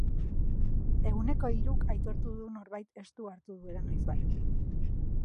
Ehuneko hiruk aitortu du norbait estu hartu duela noizbait.